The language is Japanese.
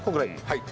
はい。